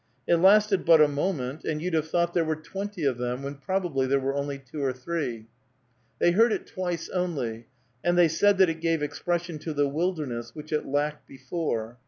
It lasted but a moment, and you'd have thought there were twenty of them, when probably there were only two or three. They heard it twice only, and they said that it gave expression to the wilderness which it lacked before.